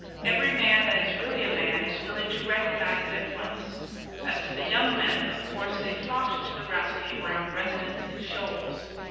Every man that is really a man is willing to recognize it at once. As to the young men, of course they flocked to the Rasselyer Brown residence in shoals.